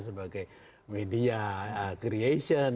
sebagai media creation